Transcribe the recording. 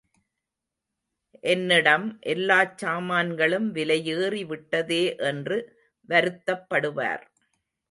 என்னிடம் எல்லாச் சாமான்களும் விலையேறி விட்டதே என்று வருத்தப்படுவார்.